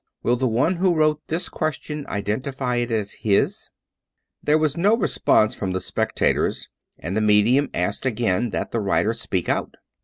Will the one who wrote this ques tion identify it as his ?" There was no response from the spectators, and the medium asked again that the writer speak out.